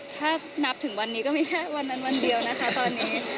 ถ้านับถึงวันนี้ก็มีแค่วันนั้นวันเดียวนะคะตอนนี้